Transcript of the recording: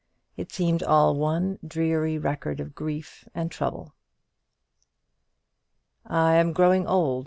It seemed all one dreary record of grief and trouble. "I am growing old.